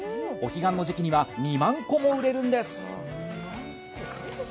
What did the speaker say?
お彼岸の時期には２万個も売れるんです。